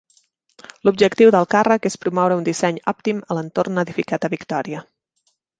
L'objectiu del càrrec és promoure un disseny òptim a l'entorn edificat a Victòria.